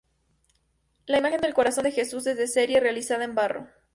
La imagen del Corazón de Jesús es de serie, realizada en barro.